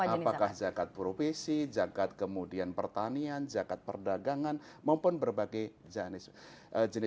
apakah zakat profesi zakat kemudian pertanian zakat perdagangan maupun berbagai jenis